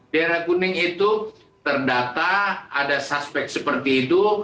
daerah kuning itu terdata ada suspek seperti itu